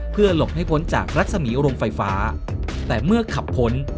เพื่อหลบให้พ้นจากรัศมีโรงไฟฟ้าแต่เมื่อขับพ้น